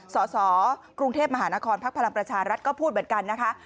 สสกรุงเทพมหานครพักพลังประชารัฐก็พูดเหมือนกันนะคะ